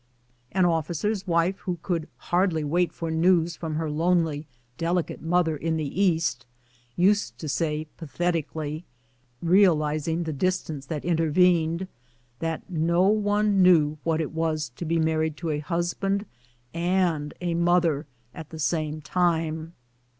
An officer's wife who could hardly wait for news from her lonely, delicate mother in the East nsed to say pathetically, realizing the dis tance that intervened, that no one knew what it was to be married to a husband and a mother at the same time.